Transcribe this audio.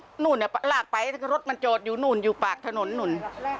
ก็มันลากไปเลยถึงรถมันโจทย์อยู่นู่นอยู่หัวถนนนุน